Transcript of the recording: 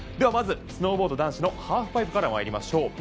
まず、スノーボード男子のハーフパイプからまいりましょう。